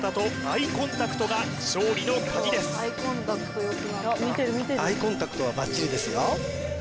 アイコンタクトはばっちりですよ